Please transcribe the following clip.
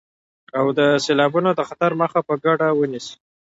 او د سيلابونو د خطر مخه په ګډه ونيسئ.